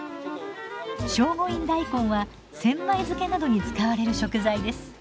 聖護院大根は千枚漬などに使われる食材です。